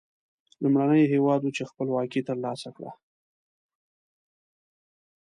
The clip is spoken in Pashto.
لومړنی هېواد و چې خپلواکي تر لاسه کړه.